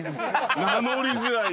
名乗りづらい。